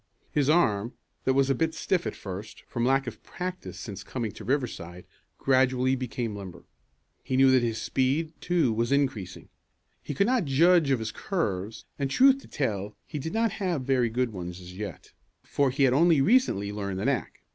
His arm, that was a bit stiff at first, from lack of practice since coming to Riverside, gradually became limber. He knew that his speed, too, was increasing. He could not judge of his curves, and, truth to tell he did not have very good ones as yet, for he had only recently learned the knack.